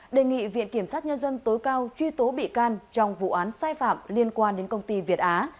đề nghị viện kiểm sát nhân dân tối cao truy tố bị can trong vụ án sai phạm liên quan đến công ty việt á